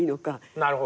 なるほどね。